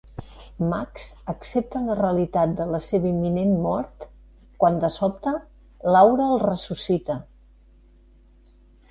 Max accepta la realitat de la seva imminent mort quan de sobte Laura el ressuscita.